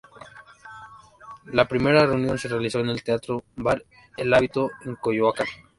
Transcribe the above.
La primera reunión se realizó en el teatro-bar El Hábito, en Coyoacán.